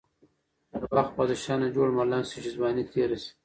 د وخت بادشاه نه جوړ ملنګ شی، چی ځوانی تیره شی.